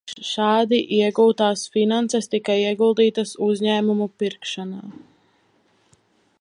Šādi iegūtās finanses tika ieguldītas uzņēmumu pirkšanā.